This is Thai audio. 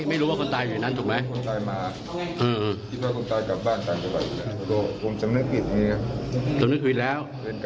ไม่เห็นไม่รู้ว่าคนตายอยู่นั้น